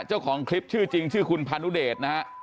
เจ้าของคลิปชื่อจริงชื่อคุณพานุเดชนะฮะ